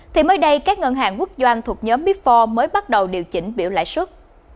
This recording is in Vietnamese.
thì mới đây các ngân hàng quốc doanh thuộc nhóm bifor mới bắt đầu điều chỉnh biểu lãi suất